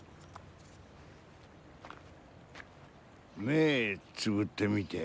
目つぶってみて。